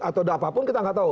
atau apapun kita nggak tahu